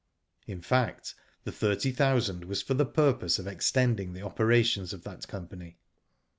In fact, the thirty thousand was for the purpose of extending the operations of that company.